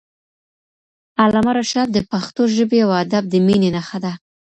علامه رشاد د پښتو ژبې او ادب د مینې نښه ده.